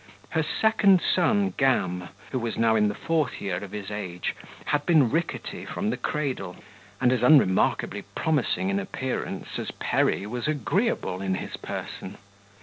Her second son Gam, who was now in the fourth year of his age, had been rickety from the cradle, and as remarkably unpromising in appearance as Perry was agreeable in his person.